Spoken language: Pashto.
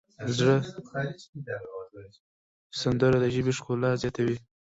سندره د ژبې ښکلا زیاتوي